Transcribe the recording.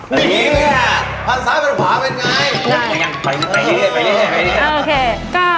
ม๒๐๑๓นี่มั้ยให้ไปโอนี้เลยนะ